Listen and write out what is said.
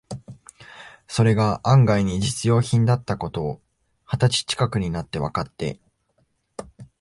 それが案外に実用品だった事を、二十歳ちかくになってわかって、